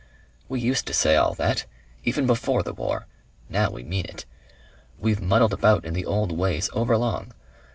We used to say all that. Even before the war. Now we mean it. We've muddled about in the old ways overlong.